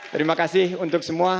terima kasih untuk semua